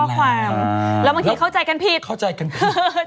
แล้วบางทีเข้าใจกันผิด